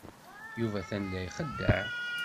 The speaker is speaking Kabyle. Yuba atan la ixeddeɛ.